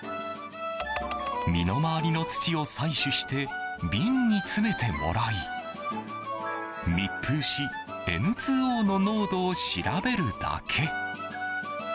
身の回りの土を採取して瓶に詰めてもらい密封しＮ２Ｏの濃度を調べるだけ。